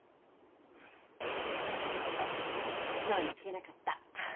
のぞみの言うこと素直に聞けなかった。